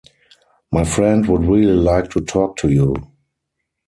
My friend would really like to talk to you.